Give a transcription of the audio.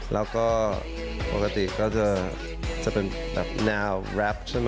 แล้วก็ปกติก็จะเป็นแบบแนวแรปใช่ไหม